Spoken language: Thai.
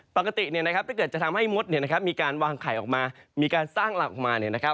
ปกติถ้าเกิดจะทำให้มดมีการวางไข่ออกมามีการสร้างหลักออกมา